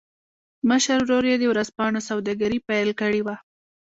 مشر ورور يې د ورځپاڼو سوداګري پیل کړې وه